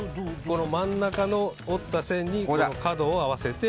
真ん中の折った線に角を合わせて。